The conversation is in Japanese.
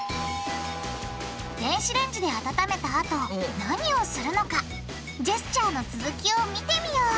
電子レンジで温めたあとなにをするのかジェスチャーの続きを見てみよう！